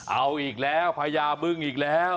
เอาอีกแล้วพญาบึ้งอีกแล้ว